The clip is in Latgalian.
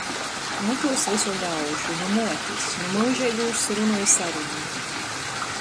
Nu itūs vysu ļaužu. Nu muotis. Nu myužeigūs runu i sarunu.